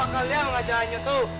kalian mengajaknya tuh